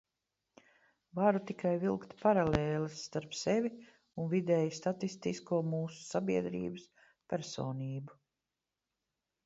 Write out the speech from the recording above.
Varu tikai vilkt paralēles starp sevi un vidēji statistisko mūsu sabiedrības personību.